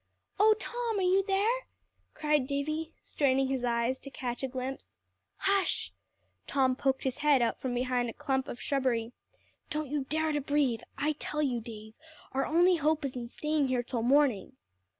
"Oh Tom, are you there?" cried Davie, straining his eyes to catch a glimpse. "Hush!" Tom poked his head out from a clump of shrubbery. "Don't you dare to breathe. I tell you, Dave, our only hope is in staying here till morning."